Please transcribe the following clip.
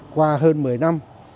qua hơn một mươi năm